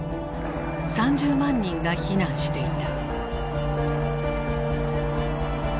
３０万人が避難していた。